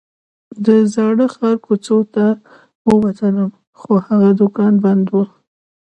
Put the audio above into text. د زاړه ښار کوڅو ته ووتلم خو هغه دوکان بند و.